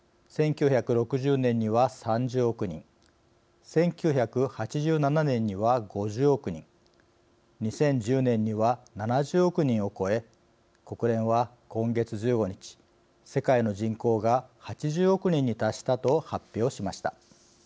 １９６０年には、３０億人１９８７年には５０億人２０１０年には７０億人を超え国連は今月１５日、世界の人口が８０億人に達したと発表しました。